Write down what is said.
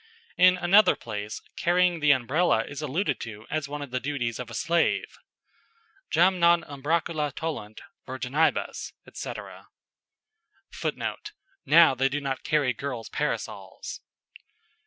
In another place carrying the Umbrella is alluded to as one of the duties of a slave: "Jam non umbracula tollunt Virginibus," etc. [Footnote: "Now they do not carry girls' parasols."